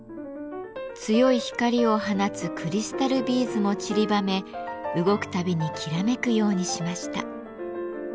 強い光を放つクリスタルビーズもちりばめ動くたびにきらめくようにしました。